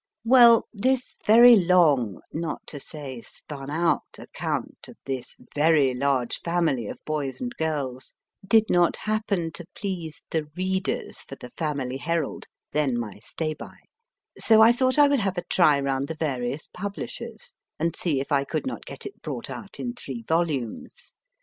Well, this very long, not to say spun out, account of this very large family of boys and girls, did not happen to please the * readers JOHN STRANGE WINTER 245 for the Family Herald then my stay by so I thought I would have a try round the various publishers and see if I could not get it brought out in three volumes.